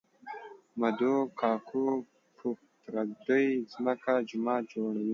مدو کاکو په پردۍ ځمکه کې جومات جوړوي